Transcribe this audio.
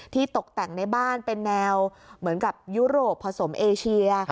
ตกแต่งในบ้านเป็นแนวเหมือนกับยุโรปผสมเอเชีย